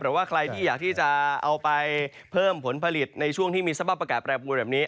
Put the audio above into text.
ว่าใครที่อยากที่จะเอาไปเพิ่มผลผลิตในช่วงที่มีสภาพอากาศแปรปวนแบบนี้